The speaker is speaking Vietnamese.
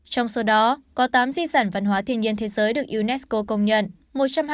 trong số đó có tám di sản văn hóa thiên nhiên thế giới được unesco công nhận